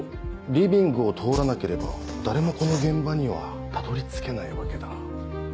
リビングを通らなければ誰もこの現場にはたどり着けないわけだ。